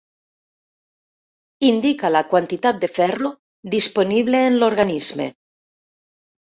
Indica la quantitat de ferro disponible en l'organisme.